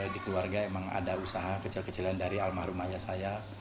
di keluarga emang ada usaha kecil kecilan dari almarhum ayah saya